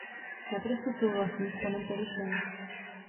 Naprosto souhlasím s panem Parishem.